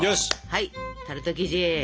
はいタルト生地。